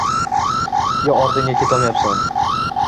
Yo ortingga ketolmayabsan